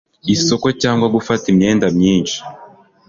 isoko cyangwa gufata imyenda myinshi